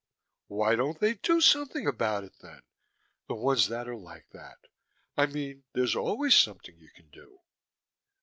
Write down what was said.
Why don't they do something about it, then, the ones that are like that? I mean, there's always something you can do.